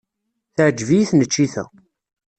Teɛjeb-iyi tneččit-a.